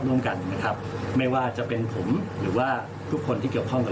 ร่วมกันนะครับไม่ว่าจะเป็นผมหรือว่าทุกคนที่เกี่ยวข้องกับ